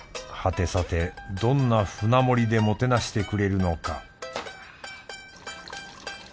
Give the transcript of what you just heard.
はてさてどんな舟盛りでもてなしてくれるのか？